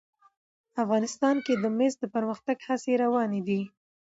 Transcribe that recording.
افغانستان کې د مس د پرمختګ هڅې روانې دي.